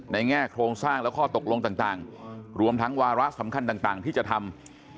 แง่โครงสร้างและข้อตกลงต่างรวมทั้งวาระสำคัญต่างที่จะทำ